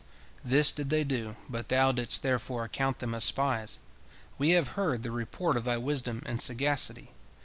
"This did they do, but thou didst therefore account them as spies. We have heard the report of thy wisdom and sagacity.